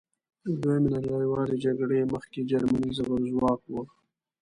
له دویمې نړیوالې جګړې مخکې جرمني زبرځواک وه.